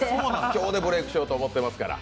今日でブレークしようと思ってますから。